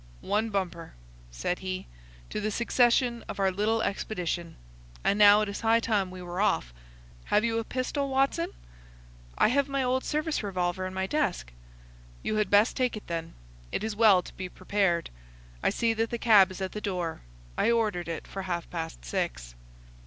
"One bumper," said he, "to the success of our little expedition. And now it is high time we were off. Have you a pistol, Watson?" "I have my old service revolver in my desk." "You had best take it, then. It is well to be prepared. I see that the cab is at the door. I ordered it for half past six."